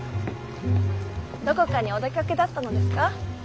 どこかにお出かけだったのですか？